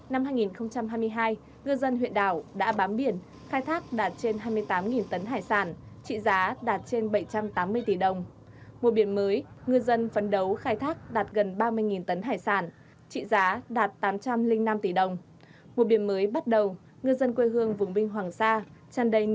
năm hai nghìn hai mươi hai ngư dân huyện đảo đã bám biển khai thác đạt trên hai mươi tám tấn hải sản trị giá đạt trên bảy trăm tám mươi tỷ đồng